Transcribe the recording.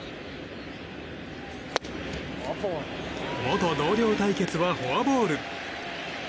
元同僚対決はフォアボール。